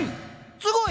すごい！